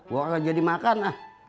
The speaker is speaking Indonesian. gue agak jadi makan